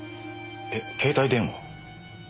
えっ携帯電話を？